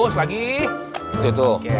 saya pengguna pakde